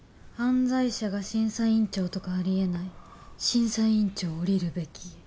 「犯罪者が審査委員長とかありえない」「審査委員長おりるべき」